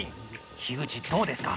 樋口、どうですか？